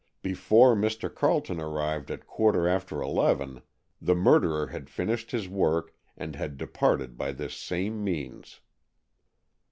Before Mr. Carleton arrived at quarter after eleven, the murderer had finished his work, and had departed by this same means."